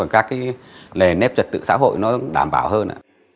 các lề nếp trật tự xã hội nó đảm bảo hơn